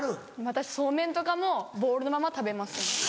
私そうめんとかもボウルのまま食べます。